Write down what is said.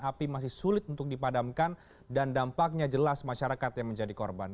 api masih sulit untuk dipadamkan dan dampaknya jelas masyarakat yang menjadi korban